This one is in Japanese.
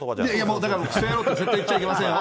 もうだから、くそやろうって絶対言っちゃいけませんよ。